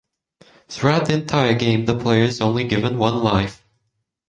Throughout the entire game the player is only given one life.